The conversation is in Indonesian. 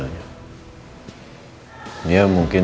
menggunaling ruang seratus juta